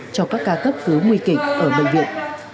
cho các ca cấp cứu nguy kịch ở bệnh viện